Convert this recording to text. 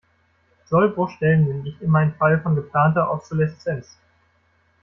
Sollbruchstellen sind nicht immer ein Fall von geplanter Obsoleszenz.